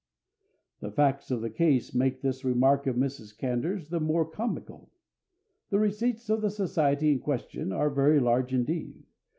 The facts of the case make this remark of Mrs. Candour's the more comical. The receipts of the society in question are very large indeed.